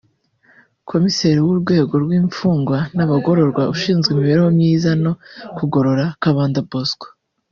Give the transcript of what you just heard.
Komiseri mu rwego rw’imfungwa n’abagororwa ushinzwe imibereho myiza no kugorora Kabanda Bosco